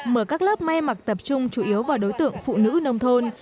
mở các lớp may mặc tập trung chủ yếu vào đối tượng phụ nữ nông thôn